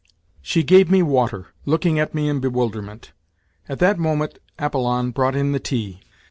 She gave me water, looking at me in bewilderment. At that moment Apollon brought in the tea.